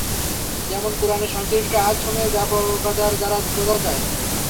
যেমন কুরআনের সংশ্লিষ্ট আয়াতসমূহের ব্যাপকতার দ্বারা বোঝা যায়।